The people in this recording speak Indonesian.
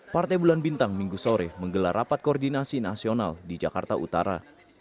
partai bulan bintang minggu sore menggelar rapat koordinasi nasional di jakarta utara